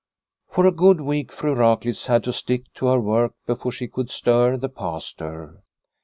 For a good week Fru Raklitz had to stick to her work before she could stir the Pastor.